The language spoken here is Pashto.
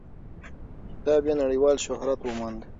کتاب یې نړیوال شهرت وموند.